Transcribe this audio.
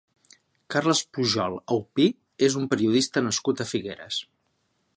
Carles Pujol Aupí és un periodista nascut a Figueres.